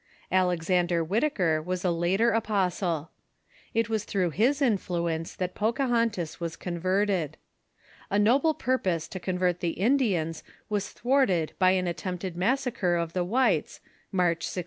Alexander Whitaker was a later apostle. It was through his influence that Pocahontas Avas con verted. A noble purpose to convert the Indians was thwarted by an attempted massacre of the whites, March, 1622.